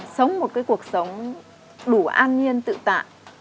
sống một cái cuộc sống đủ an nhiên tự tạ